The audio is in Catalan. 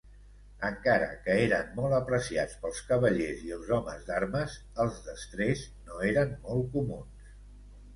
Encara que eren molt apreciats pels cavallers i els homes d'armes, els destrers no eren molt comuns.